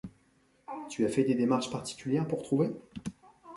Tu as fait des démarches particulières, pour trouver ?